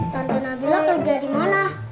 tante nabila kerja di mana